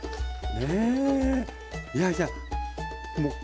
ねえ。